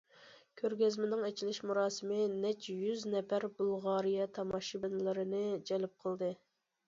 كۆرگەزمىنىڭ ئېچىلىش مۇراسىمى نەچچە يۈز نەپەر بۇلغارىيە تاماشىبىنلىرىنى جەلپ قىلدى.